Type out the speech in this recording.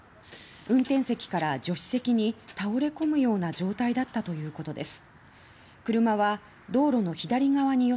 運転席から助手席に倒れこむような状態だったということです。